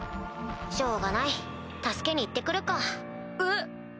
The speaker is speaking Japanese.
しょうがない助けに行って来るか。え？